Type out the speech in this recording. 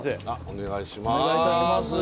お願いします